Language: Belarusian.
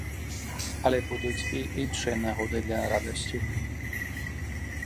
Але будуць і іншыя нагоды для радасці.